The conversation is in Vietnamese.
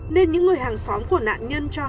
nên những người hàng xóm của nạn nhân cho hàng chục mét